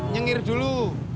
baik nyengir dulu